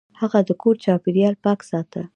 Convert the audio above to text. هغه د کور چاپیریال پاک ساته.